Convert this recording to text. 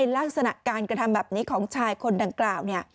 ลักษณะการกระทำแบบนี้ของชายคนดังกล่าว